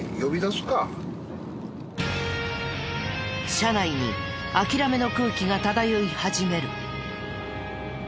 車内に諦めの空気が漂い始める。